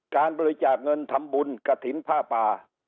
การบริจาคเงินทำบุญกระถิ่นผ้าป่า